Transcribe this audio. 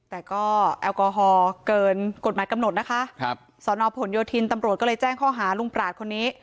แต่ก็แอลกอฮอลเกินกฎหมายกำหนดนะคะครับสอนอผลโยธินตำรวจก็เลยแจ้งข้อหาลุงปราศคนนี้